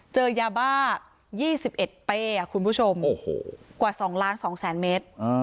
เจอยาบ้า๒๑เป้คุณผู้ชมกว่า๒๒๐๐๐เมตร